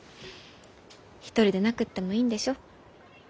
一人でなくってもいいんでしょ？